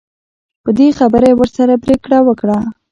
په دې خبره یې ورسره پرېکړه وکړه.